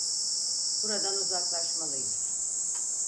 Buradan uzaklaşmalıyız.